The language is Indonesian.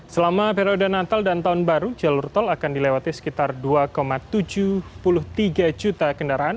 selama periode natal dan tahun baru jalur tol akan dilewati sekitar dua tujuh puluh tiga juta kendaraan